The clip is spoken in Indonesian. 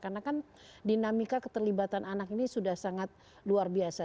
karena kan dinamika keterlibatan anak ini sudah sangat luar biasa